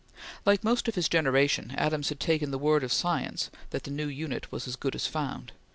Like most of his generation, Adams had taken the word of science that the new unit was as good as found.